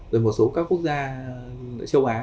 rồi một số các quốc gia châu á